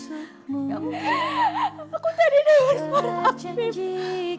aku jadi diusaham afif